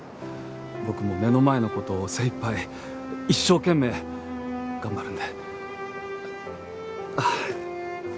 僕も目の前の事を精いっぱい一生懸命頑張るんで。